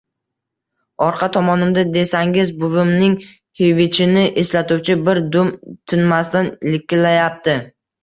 Orqa tomonimda desangiz, buvimning hivichini eslatuvchi bir dum tinmasdan likillayapti